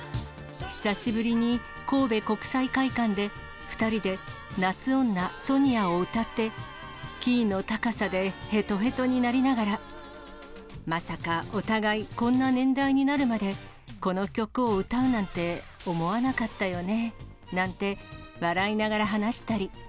久しぶりに神戸国際会館で２人で、夏女ソニアを歌って、キーの高さでへとへとになりながら、まさかお互い、こんな年代になるまでこの曲を歌うなんて思わなかったよねなんて、笑いながら話したり。